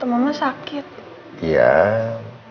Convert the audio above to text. tadi papa sakit tapi udah enakan kok